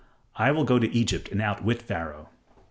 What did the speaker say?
"I will go to Egypt and outwit Pharaoh."